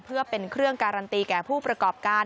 เพื่อเป็นเครื่องการันตีแก่ผู้ประกอบการ